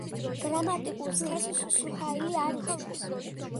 გრამატიკულ სქესს სუაჰილი არ იცნობს.